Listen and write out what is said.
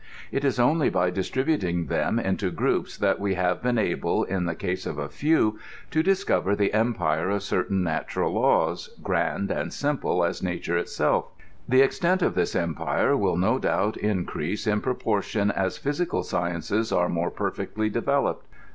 It is only by distributing them into groups that we have been able, in the case of a few, to discover the empire of certain natural laws, grand and simple as nature itself. The extent of this empire will no doubt increase in proportion as physical sciences are more perfectly developed.